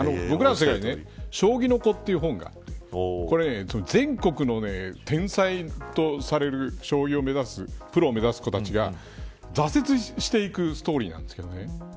僕らの世代て将棋の子、という本があってこれ、全国の天才とされる将棋を目指すプロを目指す子たちが挫折していくストーリーなんですけどね。